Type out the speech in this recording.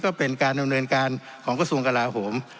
ก็เป็นการดำเนินการของกระทรวงกลาโหม